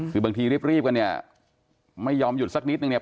คือบางทีรีบกันเนี่ยไม่ยอมหยุดสักนิดนึงเนี่ย